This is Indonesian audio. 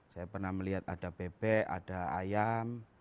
saya pernah melihat ada bebek ada ayam